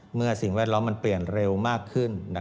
สิ่งแวดล้อมมันเปลี่ยนเร็วมากขึ้น